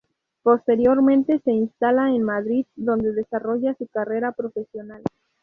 Posteriormente, se instala en Madrid, donde desarrolla su carrera profesional.